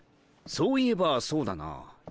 そういえばそうだな。